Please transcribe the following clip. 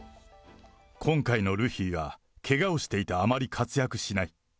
今回のルフィは、けがをしていてあまり活躍しない。